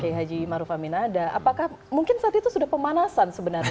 kiai haji maruf amin ada apakah mungkin saat itu sudah pemanasan sebenarnya